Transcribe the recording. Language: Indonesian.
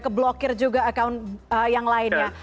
ke blokir juga account yang lainnya